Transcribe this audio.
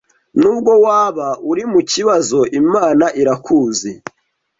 Nubwo waba uri mu kibazo Imana irakuzi ,